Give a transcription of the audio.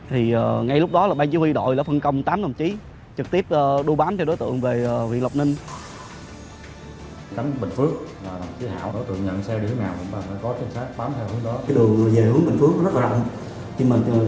thì ngay lúc đó là ban chí huy đội đã phân công tám đồng chí trực tiếp đu bám theo đối tượng về huyện lộc ninh